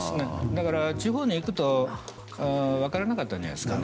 だから地方に行くと分からなかったんじゃないですか。